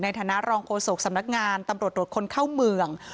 ในฐานะรองโฆษกสำนักงานตำรวจตรวจคนเข้าเมือง